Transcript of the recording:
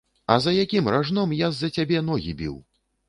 А за якім ражном я з-за цябе ногі біў?